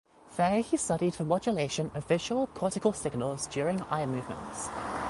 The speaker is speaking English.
There he studied the modulation of visual cortical signals during eye movements.